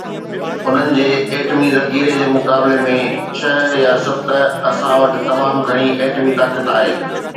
انهن جي ايٽمي ذخيري جي مقابلي ۾ ڇهه يا ست، اسان وٽ تمام گهڻي ايٽمي طاقت آهي.